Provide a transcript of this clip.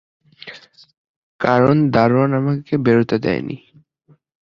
কারণ দারোয়ান আমাকে বেরুতে দেয় নি।